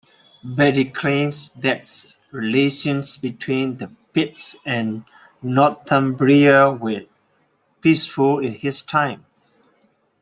Bede claimed that relations between the Picts and Northumbria were peaceful in his time.